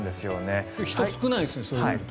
今日は人少ないですね